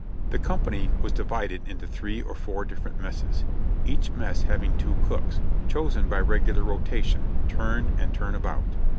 The company was divided into three or four different messes, each mess having two cooks, chosen by regular rotation, turn and turn about.